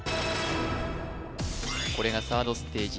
これがサードステージ